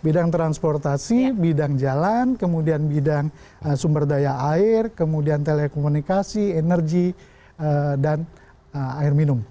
bidang transportasi bidang jalan kemudian bidang sumber daya air kemudian telekomunikasi energi dan air minum